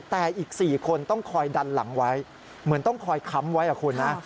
แต่อีก๔คนต้องคอยดันหลังไว้เหมือนต้องคอยค้ำไว้อ่ะคุณนะ